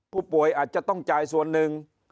ผู้ป่วยอาจจะต้องจ่ายส่วนหนึ่ง